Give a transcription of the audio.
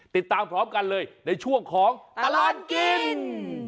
ติดตามพร้อมกันเลยในช่วงของตลาดกิน